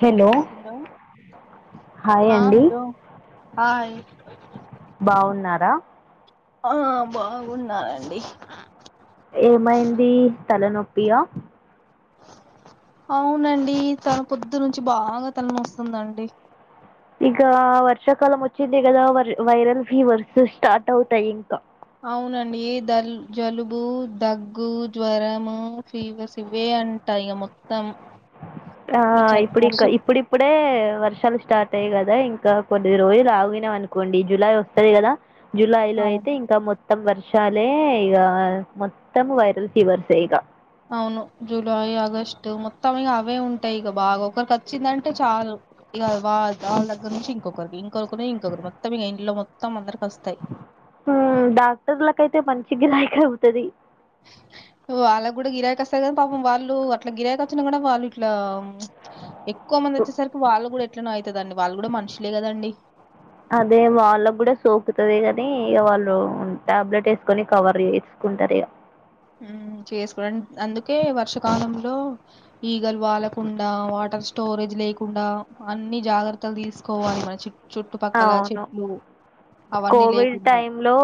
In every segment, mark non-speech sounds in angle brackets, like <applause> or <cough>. హేలో hello hi ఆ అండి hello hi బాగున్నారా ఆ బాగున్నానండి పియా అవునండి తల పొద్దు నుంచి బాగా తల నొస్తుందండి ఇక్కడ వర్షాకాలం వచ్చింది కదా వర్ వైరల్ ఫీవర్స్ స్టార్ట్ అవుతాయి ఇంకా అవునండి దల్ జలుబు దగ్గు జ్వరము ఫీవేర్స్ ఇవే అంట ఇగ మొత్తం ఆ ఈ చ ఇప్పుడు వర్ష ఇంక ఇప్పుడిప్పుడే వర్షాలు స్టార్ట్ అయ్యాయి కదా ఇంకా కొద్ది రోజులు ఆగినం అనుకోండి జూలై వస్తది కదా జులై లో అవును అయితే ఇంకా మొత్ మొత్తం వర్షాలే ఇగ మొత్తం వైరల్ ఫీవర్స్ ఇగ అవును జూలై ఆగస్ట్ మొత్తం ఇగ అవే ఉంటాయి ఇక బాగా ఒకరికి వచ్చిందంటే చాలు ఇగ వా వాళ దగ్గర నుంచి ఇంకొకరికి ఇంకొకరి ఇంకొకరు మొత్తం ఇగ ఇంట్లో మొత్తం అందరికి వస్తాయి ఉ డాక్టర్లకైతే మంచి గిరాకీ అవుతది వాళ్ళకు కూడా గిరాకి వస్తది గని పాపం వాళ్ళు అట్లా గిరాకి వచ్చిన కూడా వాళ్ళు ఇట్లా ఎక్కువ మంది వచ్చేసరికి వాళ్ళు కూడా ఎట్లనో అయితదండి వాళ్ళు కూడా మనుషులే కదండి అదే వాళ్ళకూడా సోకుతుది గని ఇగ వాళ్ళు టాబ్లెట్ వేసుకొని కవర్ చేస్ కుంటరు ఇగ ఉ చేసుకోడం అందుకే వర్షకాలంలో ఈగలు వాలకుండా వా వాటర్ స్టోరేజ్ లేకుండా అన్ని జాగ్రత్తలు తీసుకోవాలి మంచి చుట్టుపక్కల అవును చెట్లు అవన్నీ కోవిడ్ లేకుండా టైమ్ లో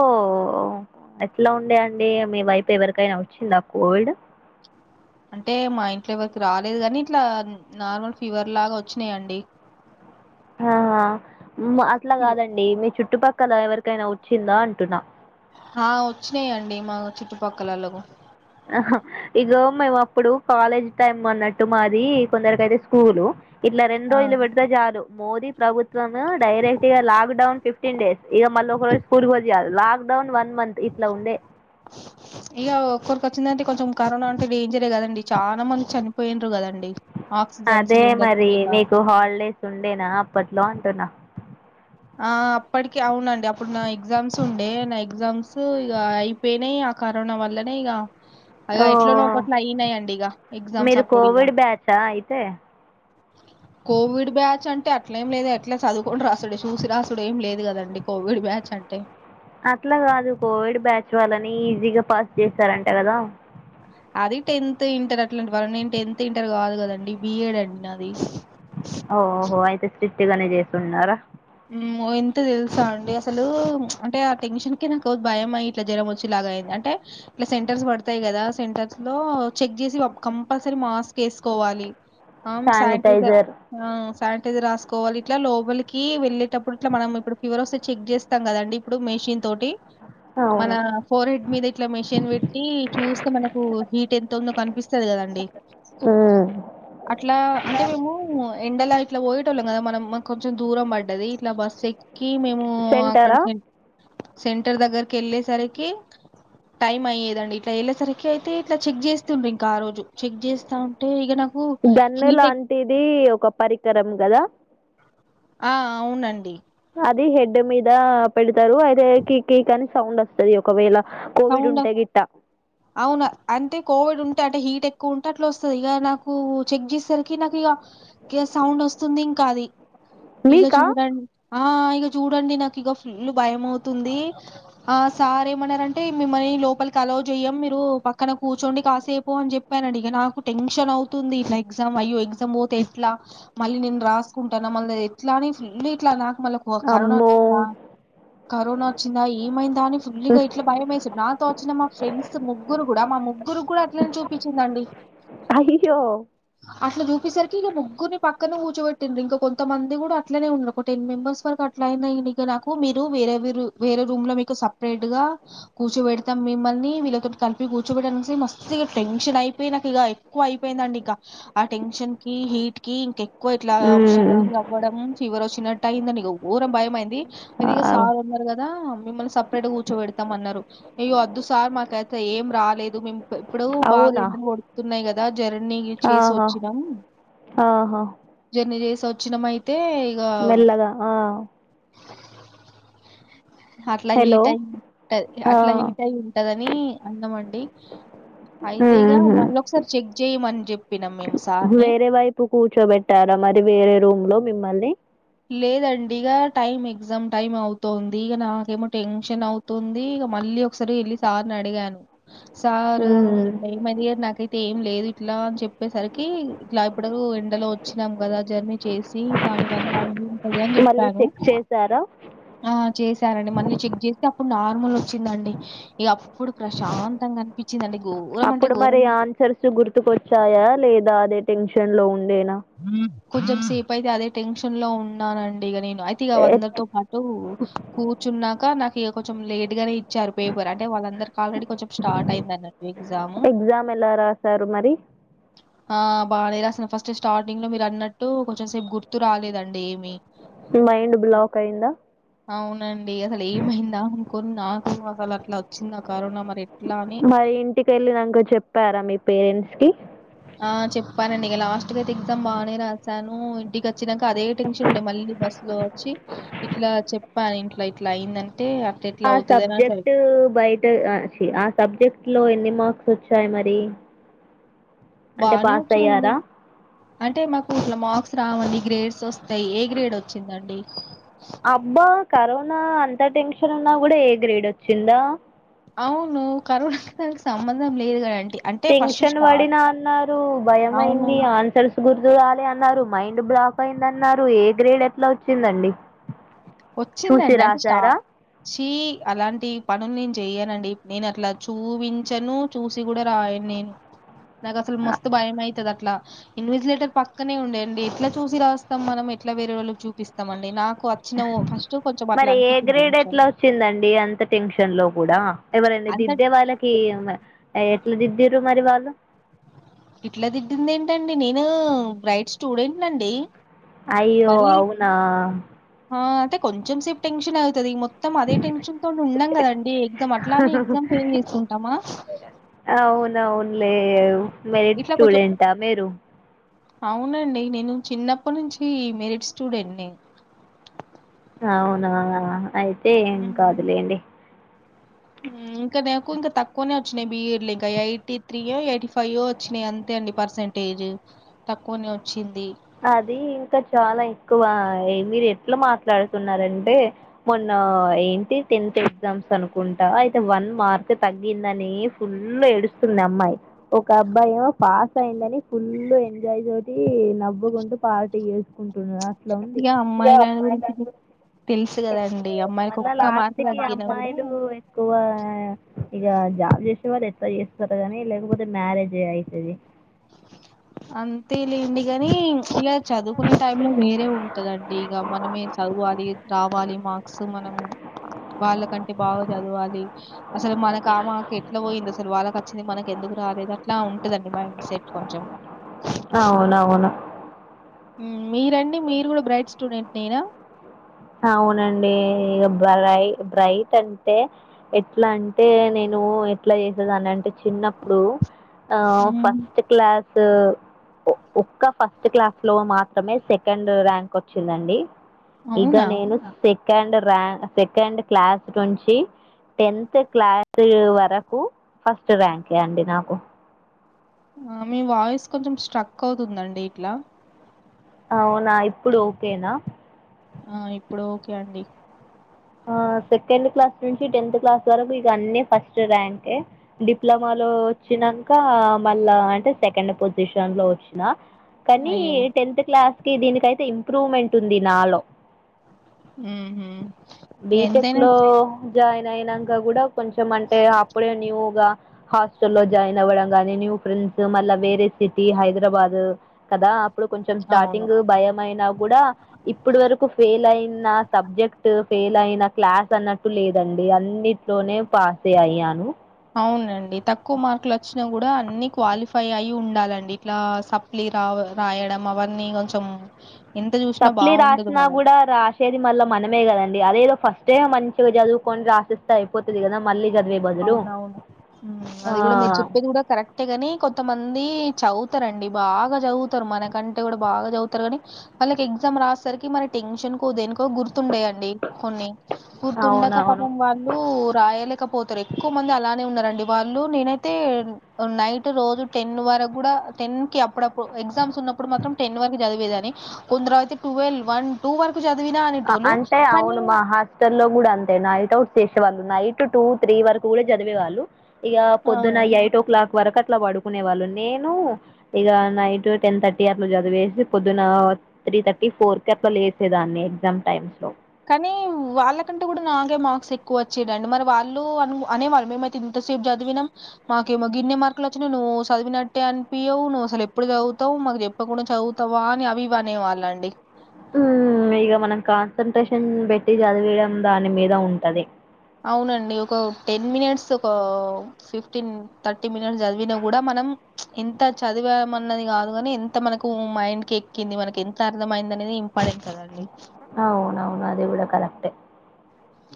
ఎట్లా ఉండే అండి మీ వైపు ఎవరికైనా వచ్చిందా కోవిడ్ అంటే మా ఇంట్లో ఎవరికి రాలేదు గాని ఇట్లా నార్మల్ ఫీవర్ లాగా వచ్చినాయండి. <inaudible> ఆహా! అట్లా ఇవ్- కాదండి మీ చుట్టుపక్కల ఎవరికైనా వచ్చిందా అంటున్నా? ఆ వచ్చినాయిండి మా చుట్టుపక్కలలో ఇగ మేము అప్పుడు కాలేజ్ టైమ్ అన్నట్టు మాది కొందరిక అయితే స్కూల్ ఇట్లా రెండు ఆ రోజులు పెడితే చాలు మోదీ ప్రభుత్వం డైరెక్ట్ గా లాక్ డౌన్ ఫిఫ్టీన్ డేస్ ఇక మళ్ళీ ఒక రోజు స్కూల్కి వదిలి లాక్ డౌన్ వన్ మంత్ ఇట్లా ఉండే ఇక ఒక్కరికి వచ్చిందంటే కొంచెం కరోనా అంటే డేంజరే కదండి. చాలా మంది చనిపోయిన్నారు కదండి ఆక్సిజన్ అదే సిలిండర్స్ మరి లేక నీకు హాలిడేస్ ఉండేనా అప్పట్లో అంటున్నా ఆ అప్పటికి అవునండి అప్పుడు నా ఎగ్జామ్స్ ఉండే నా ఎగ్జామ్స్ ఇగ అయిపోయినాయి. కరోనా వల్లనే ఇగ అగ ఓ ఎట్లనో గట్లా అయినాయిండి ఇక ఎగ్జామ్స్ మీరు అప్పుడు ఇగ కోవిడ్ బ్యాచా అయితే కోవిద్ బ్యాచ్ అ అంటే అట్లే ఏం లేదు ఎట్లా చదువుకుంట రాసుడు చూసి రాసుడు ఏం లేదు కదండి. కోవిద్ బ్యాచ్ అంటే అట్లా కాదు కోవిద్ బ్యాచ్ వాళ్ళని ఈజీగా పాస్ చేస్తారంట కదా అది టెన్త్ ఇంటర్ అట్లాంటి వాళ్ళనే నేను టెన్త్ ఇంటర్ కాదు కదండి బిఎడ్ అండి అది ఓ హొ హో అయితే స్ట్రిక్ట్ గానీ చేస్తున్నారా? ఎంత తెలుసా అండి అసలు అంటే ఆ టెన్షన్ కి నాకు భయమయితాది జ్వరం వచ్చి లాగ. అంటే ఇట్లా సెంటర్స్ పడతాయి కదా సెంటర్ లో చెక్ చేసి కంపల్సరీ మాస్క్ వెస్కో కోవాలి ఆమ్ శానిటైజర్ ఆ శానిటైజర్ రాసుకోవాలి ఇట్లా లోపలికి వెళ్ళి టప్పుడు ఇట్లా మనం ఇప్పుడు ఫీవర్ వస్తే చెక్ చేస్తాం కదాండి ఇప్పుడు మెషిన్ తోటి మన అవును ఫోర్ హెడ్ మీద ఇట్లా మెషిన్ పెట్టి చూస్తే మనకు హీట్ ఎంత ఉందో కనిపిస్తాది కదా కదాండీ. మ్ అట్లా అంటే మేము ఎండలో ఇట్లా పోయేటళ్ళం కదా మనం కొంచెం దూరం పడ్డది ఇట్లా బస్సు ఎక్కి మేము అక్కడ సెంటరా సెంటర్ దగ్గరికి వెళ్ళేసరికి టైమ్ అయ్యేదండి ఇట్లా వెళ్ళేసరికి అయితే ఇట్లా చెక్ చేస్తుండిరి ఇంక ఆ రోజు చెక్ చేస్తా ఉంటే ఇక నా గన్ను లాంటిది ఒక పరికరం కదా ఆ అవునండి అది హెడ్ మీద పెడతారు. అయితే కి కీక్ అనీ సౌండ్ వస్తాది ఒకవేళ. కోవిడ్ సౌండ్ ఉంటే ఆఫ్ గిట్ట అవునా అంతే కోవిడ్ ఉంట అంటే హీట్ ఎక్కువ ఉంటే అట్లా వస్తుంది. ఇక నాకు చెక్ చేసేసరికి నాకు ఇక సౌండ్ వస్తుంది ఇంకా కాది ఇక మీకా చూడండి ఆ ఇక చూడండి నాకు ఇక ఫుల్ భయంమవుతుంది ఆ సార్ ఏమన్నారంటే మిమ్మల్ని లోపలికి అలవ్ చెయ్యం మీరు పక్కన కూర్చోండి కాసేపు అని చెప్పారండి. ఇక నాకు టెన్షన్ అవుతుంది. ఇట్లా ఎగ్జా అయ్యో ఎగ్జామ్ పోతే ఎట్లా మళ్ళీ నేను రాసుకుంటాన. మళ్ళీ ఎట్లా అని ఇట్లా నా మళ్ళా కరోనా అమ్మో వచ్చిందా కరోనా వచ్చిందా ఏమైందా అని ఫుల్ గా భయంవేసింది. నాతో వచ్చిన మా ఫ్రెండ్స్ ముగ్గురు కి కూడా మా ముగ్గురు కూడా అట్లనే చూపించిందండి. అయ్యో అట్లా చూపించేసరికి ఇక ముగ్గురిని పక్క పక్కనే కూర్చోబెట్ండారు ఇంకా కొంతమంది కూడా అట్లనే ఉన్నారు. ఒక టెన్మెంబర్స్ వరకు అట్లాయినాయి. ఇక నాకు మీరు వేరే మీరు వేరే రూమ్ లో మీకు సపరేట్ గా కూర్చోబెతాం మిమ్మల్ని వీళ్ళతో కలిపి కూర్చోబెట్టము. మస్త్ టెన్షన్ అయిపోయి నాకు ఇక ఎక్కువ అయిపోయిందండి. ఇంకా ఆ టెన్షన్ కి హీట్ క ఇంక ఎక్కువ ఇట్లా ఉమ్ షివరింగ్ అవ్వడం ఫీవర్ వచ్చినట్టు అయిందండి. ఘోరం భయంమైయింది. అయితే ఇక అవ్ సార్ ఉన్నారు కదా మిమ్మల్ని సపరేట్ గా కూర్చోబెడి తమన్నారు ఇక వద్దు సార్ మాకైతే ఏం రాలేదు మేము ఇప్పుడు బాగా అవునా ఎండాలు కొడుకుతున్నాయి కదా జర్నీ చేసి ఆహా వచ్చినాం ఆహా జర్నీ చేసి వచ్చినాం అయీ తే ఇక మెల్లగా ఆ అట్లా హలో హీట్ అయి ఉంటది ఆ అట్లా హీట్ అయి ఉంటందిని అన్ని అందమంట ఉమ్ మళ్ళొకసారి చెక్ జేయమని జెప్పినాం మేము సార్‌ని. వేరే వైపు కూచో పెట్టారా మరి వేరే రూమ్ లో మిమ్మల్ని లేదండి ఇక టైమ్ ఎగ్జామ్ టైమ్ అవుతుంది ఇక నాకేమో టెన్షన్ అవుతుంది ఇక మ మళ్ళీ ఒకసారి ఏళ్లి సార్ నే అడిగాను సారు ఉమ్ ఏది నాకతే లేదు ఇట్లా అని చెప్పేసరికి ఇట్లా ఇప్పుడు ఎండలో వచ్చినాం కదా జర్నీ చేసి అయింటది అని మళ్ళీ చెప్పాను చెక్ చేసారా ఆ చేశానండి మళ్ళీ చెక్ చే అప్పుడు నార్మల్ వచ్చిందండి ఇక అప్పుడు ప్రశాంతంగా కనిపించిందండి అప్పుడు మరి ఆన్సర్స్ గుర్తుకొచ్చాయా లేదా అదే టెన్షన్ లో ఉండేనా కొంచెం సేపు అయితే అదే టెన్షన్ లో ఉన్నానండి ఇక నేను అయితే ఇక ఎట్ అందరితో పాటు కూర్చున్నాక నాకు ఇక కొంచెం లేట్ గానే ఇచ్చారు పేపర్ అంటే వాళ్ళందరికి ఆల్రెడీ కొంచెం స్టార్ట్ అయింది అన్నట్టు ఎగ్జామ్ సారు మరి ఆ బాగానే రాసా ఫస్ట్ స్టార్టింగ్ లో మీరు అన్నట్టు కొంచెం సేపు గుర్తు రాలేదండి ఏమి మైండ్ బ్లాక్ అయిందా అవునండి అసలు ఏమైందా అనుకొని నాకు అసలు అట్లా వచ్చిందా కరోనా మరి ఎట్లా అని మరి ఇంటికీ వెళ్ళినాక చెప్పారా మీ పేరెంట్స్ కి ఆ చెప్పనండి ఇక లాస్ట్గా అయితే ఎగ్జామ్ బాగానే రాశాను ఇంటికి వచ్చినాక అదే టెన్షన్ ఉండే మళ్ళీ మళ్ళీ బస్ లో వచ్చి ఇట్లా చెప్పాను ఇంట్లో ఇట్లా అయిందని ఆ సబ్జెక్ట్ బయట ఆ చి సబ్జెక్ట్ లో ఎన్ని మార్క్స్ వచ్చాయి మరి అంటే బానే పాస్ వచ్చాడి అయ్యారా అంటే మాకు ఇట్లా మార్క్స్ రావండి గ్రేడ్స్ వస్తా ఏ గ్రేడ్ వచ్చిందండి నా అంత టెన్షన్ ఉన్నా కూడా ఏ గ్రేడ్ వచ్చిందా అవును కరోనానికి అస్సలు సంబంధం లేదు కదండి టెన్షన్ పడినా అన్నారు భయ అవును. అయింది ఆన్సర్స్ గుర్తురాలి అన్నారు మైండ్ రడు బ్లాక్ అయిందన్నారు ఏ గ్రేడ్ ఎట్లా వచ్చిందండి చూసి వచ్చిందండి అంటే స్టార్ రాసారా చీ అలాంటి పనులు నేను చెయనండి నేను అట్లా చూపించను చూసి కూడా రాయను నేను నాకు అసలు మస్తు భయమైతుంది ట్ల ఇన్వెసిలేటర్ పక్కనే ఉండే అండి ఎట్లా చూసి రాస్తాం మనం ఎట్లా వేరే వాళ్ళు చూపిస్తాం అండి నాకు వచ్చినావు ఫస్ట్ కొంచెం అట్లా మరి ఏ అనిపించింది గ్రేడ్ టెన్షన్ ఎట్లా వచ్చిందండి అంత టెన్షన్ లో కూడా ఎవరనా అంత దిద్దే వాళ్ళకి కీ ఎట్లా దిద్దిర్రు మారి వా ఇట్లా దిడింది ఏంటండి నేను బ్రైట్ స్టూడెంట్ అండి అయ్యో అవునా కొంచం సే టెన్షన్ అవుతుంది మొత మొత్తం అదే టెన్షన్ తో ఉన్నాం కదండి ఎగ్జా అట్లాని ఎగ్జామ్ ఫెయిల్ చేసుకుంటామా అవున అవునులే మెరిడ్ ఇట్లా కొంచెం స్టూడెంట్ ఆ మీరు అవునండి నేను చిన్నప్పటి నుంచి ఈ మెరిట్ స్టూడెంట్ ని. అవునా అ అయితే ఏం ని కాదులేండి. ఉమ్ ఇంకా నాకు ఇంకా తక్కువనే వొచ్చినాయి, బియిడ్ లో ఇంకా ఎయిటీ త్రీ యో, ఎయిటీ ఫైయి యో, వొచ్చినాయి అంతే. అండి పర్సెంటేజు తక్కువనే వొచ్చింది. అదీ ఇంకా చాలా ఎక్కువ ఇ మీరు ఎట్లా మాట్లాడుతున్నారంటే మొన్న. ఆ ఏంటి టెన్త్ ఎగ్జామ్స్ అనుకుంటా, అయితే వన్ మార్కె తగ్గిందనీ ఫుల్ ఎ. ఎడుస్తుంది అమ్మాయి, ఒక అబ్బాయి ఏమో పాస్ అయిందని. ఫుల్లు ఎంజాయ్ తోటీ నవ్వుకుంటూ పార్టీ జెసుకుంటున్నార. అట్లా ఉంది, ఇక ఇగా అమ్మాయిల అమ్మాయి. గురించి మీకు తెలుసు కదండి అమ్మాయికి మళ్ళ ఒక్క లాస్ట్ మార్కు కి తగ్గినా కూడా అమ్మాయిలూ ఎక్కువ అ. ఇగా జాబ్ జెసే వాళ్ళు ఎట్ల యేస్తారొ గని లేకపోతే మ్యారేజే అయితది., అంతే లేంది గనీ. ఇగ చదువుకునే టై లో వేరే ఉంటదండి, ఇగ మనమే చదవాలి, రావాలి మార్క్స్ మ. మనం, మూ. వాళ్ళకంటే బాగా జదువాలి, ష్ అసలు మనక ఆ మర్క్ ఎట్లా వొయిందో అసలు వాళ్ళకు అచ్చింది మనకి ఎందు. రాలేదట్ల ఉంటదండి మైండ్ సెట్ కొంచం. అవునవును. ఉమ్ మీరండి మీరు కూడా, బ్రైట్ స్టూడెంట్టే నేనా. అవునండీ, ఇగ బ్రై బ్రైట్ అంటే, ఎట్లా అంటే నేనూ ఎ. ఎట్లా యేసేదానంటే చిన్నప్పుడు ఆ ఫస్ట్ క్లాస్ ఊ. ఓ ఒక్క ఫస్ట్ క్లాస్ లో మాత్రమే సెకండ్ ర్యాంక్ వొచ్చిందండీ. ఇగ అవునా? నేను సెకండ్ ర్య, సెకండ్ క్లాస్ నుంచి. టెన్త్ క్లాస్ ఇ ఓ వరకు ఫస్ట్ ర్యాంకే అండి నాకు. ఆ మీ వాయిస్ కొంచెం స్ట్రక్, అవుతుందండి ఇట్లా. అవునా, ఇప్పుడు ఓకేనా. ఆ ఇప్పుడు ఓకే అండి. ఆ. ఆ సెకండ్ క్లాస్ నుంచి, టెన్త్ క్లాస్ వరకు, ఇగ అన్నీ ఫస్ట్ ర్యాంకే, డిప్లొమా లో, వొచ్చి. ఇదంతా మళ్ళా అంటే సెకండ్ పొజిషన్ లో వొచ్చిన. కనీ అయ్యో! టెన్త్ క్లాస్ కి దీనికైతే ఇంప్రూవ్మెంట్ ఉంది, నాలో. హుహు. బీటెక్ ఎంతైనా లో జాయిన్ అయినంక గుడ కొంచం అంటే అప్పుడే న్యూగా. హాస్టల్ లో జాయిన్ అవ్వడం గానీ, న్యూ ఫ్రెండ్స్, మళ్ళా వేరే సిటీ, హైదరాబాదు ఉ. కదా అప్పుడు కొంచం, అవును. స్టాటింగ్ భయం అయినా కూడా, ఇప్పడు వరకు ఫెయిల్ అయిన సబ్జెక్ట్ టు ఉ. ఎలాయినా క్లాస్ అన్నట్టు లేదండి అన్నిట్లోనే పాసె అయ్యాను. అవునండి తక్కువ మార్కులు వొచ్చిన గు. కుడా అన్ని క్వాలిఫై అయి ఉండాలండి ఇట్లా సప్లీ రావు రాయడం అవన్నీ ఇగ కొంచం. సప్లీ రాసిన గూడ రాసేది మళ్ళా మనమే గదండి అదేదో. ఫస్టే అ మంచిగా జదువుకొని రాపిస్తే అయిపోతది గదా మళ్ళీ. చదివే బదులు అవునవును, మ్ అది కూడా మీరు చెప్పేది కూడా కరెక్టే గని కొత్తమంది చవు. త రండి బాగా జదువుతరు మనకంటే కూడా బాగా జదువుతరు గనీ వాళ్ళకి ఎగ్జామ్ రాసరికి మరి టెన్షన్. నికు దేనికో గుర్. గుర్తుండయండి, కొన్ని గుర్తుండక అవునవును పాపం వాళ్ళు రాయలేకపోతరు ఏక్. కొందరు అలానే ఉన్నారండి వాళ్ళు నేనైతే, ఓ నైట్ రోజు టెన్ను వరకు గూడా టెన్ కి అప్. అప్పుడప్పుడు ఎగ్జామ్స్ ఉన్నప్పుడు మాత్రం టెన్ వరకు జదివేదని కొందరు అయితే టువెల్ వన్ టూ వర. అ అంటే అవును మా హాస్టల్లో గుడ అంతే నైటట్వు. చేసేవాళ్ళు నైట్ టూ త్రీ వరకు కూడా చదివేవాళ్ళు ఇక పొద్దున ఆ ఎయిట్ ఓ క్లాక్ వరకట్లా పడుకునే వాళ్ళు నేను ఇక నైట్ టెన్ థర్టీ అట్లా చదివేసి పొద్దున త్రీ థర్టీ ఫోర్ కి అట్ల లేసేదాన్ని ఎగ్జామ్ టైమ్స్ లో కానీ వాళ్ళకంటే కూడా నాకే మార్క్స్ ఎక్కువ వచ్చేడండి మరి వాళ్ళు అ అనేవాళ్ళు మేమయి తి ఇంతసేపు చదివినం మాకేమో గిన్నె మార్కులు వచ్చినాయి నువ్వు చదివినట్టే అనిపియవు నువ్వు అసలు ఎప్పుడు చదువుతావు మాకు చెప్పకుండా చదువుతావా అని అవి ఇవి అనే వాళ్ళండి ఉమ్ ఇక మనం కాన్సన్ంట్రేషన్ పెట్టి చదివడం దాని మీద ఉంటది అవునండి ఒక టెన్ మినిట్స్ ఒక ఫిఫ్టీన్ థర్టీ మినిట్స్ చదివినా కూడా మన మనం ఎంత చదివమన్నది కాదుగాని ఎంత మనకు మైండ్ కి ఎక్కింది మనకి ఎంత అర్థమైంది అనేది ఇంపార్టెంట్ కదా అండి అవునవును అది కూడా కరెక్ట్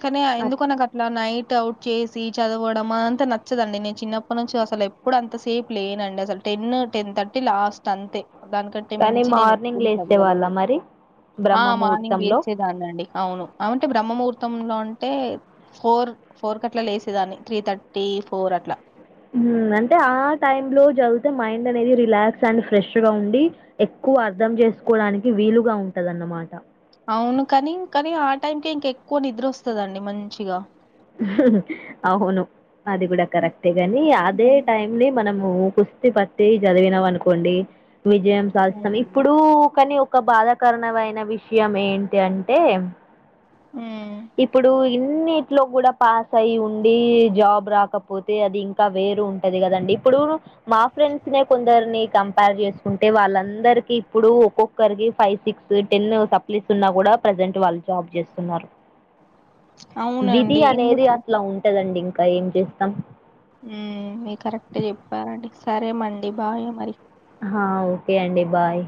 కానీ ఎందుకో నాకు అట్లా నైట్ అవుట్ చేసి చదవడం అంత నచ్చదండి నేను చిన్నప్పటి నుంచి అసలు ఎప్పుడు అంత సేపు లేనండి అసలు టెన్ టెన్ థర్టీ లాస్ట్ అంతే దానికంటే కానీ మించి నేను మార్నింగ్ ఎప్పుడు లేసేవాళ్ళ చదవలేదు మరి ఆ మార్నింగ్ బ్రహ్మముహూర్తంలో లేసేదాన్ని అండి అవును అంటే బ్రహ్మూర్తి ముహూర్తం లో అంటే ఫోర్ ఫోర్ కి అట్లా లేసేదాన్ని త్రీ థర్టీ ఫోర్ కు అట్లా ఉమ్ అంటే ఆ టైమ్ లో చదితే మైండ్ అనేది రిలాక్స్ అండ్ ఫ్రెష్గా ఉండి ఎక్కువ అర్ధం చేసుకోవడానికి వీలుగా ఉంటదన్నమాట అవును కాని కానీ ఆ టైంకే ఇంకా ఎక్కువ నిద్ర వస్తుందండి మంచిగా అవును అది కూడా కరెక్టే గాని అదే టైమ్ ని మనం కుస్తి పట్టి చదివినాము అనుకోండి విజయం సాధిస్తాం ఉమ్ ఇప్పుడు కానీ ఒక బాధాకరణమైన విషయం ఏంటి అంటే ఉమ్ ఇప్పుడు ఇన్ ఇట్ లో కూడా పాస్ అయి ఉండి జాబ్ రాకపోతే అది ఇంకా వేరు ఉంటది కదండి ఇప్పుడు మా ఫ్రెండ్స్ నే కొందరిని కం పేర్ చేసుకుంటే వాళ్ళందరికీ ఇప్పుడు ఒక్కొక్కరికి ఫైవ్ సిక్స్ టెన్ సప్లీస్ ఉన్నా కూడా ప్ర ప్రెసెంట్ వాళ్ళు జాబ్ చేస్తున్నారు విధి అవునండి అనేది ఎందుకు అట్లా ఉంటదండి ఇంకా ఏం చేస్తాం మీ కరెక్ట్ చెప్పారండి సరే మండి బాయ్ మరి ఓకే అండి బాయ్